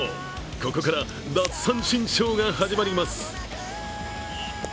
ここから奪三振ショーが始まります。